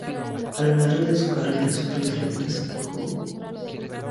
A lo largo de su carrera sufrió tremendas cogidas y siempre logró reponerse.